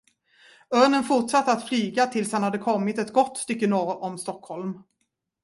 Örnen fortsatte att flyga, tills han hade kommit ett gott stycke norr om Stockholm.